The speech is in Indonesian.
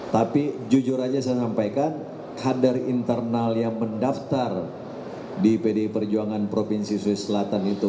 tapi jujur aja saya sampaikan kader internal yang mendaftar di pdi perjuangan provinsi sulawesi selatan itu